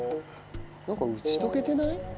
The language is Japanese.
何か打ち解けてない？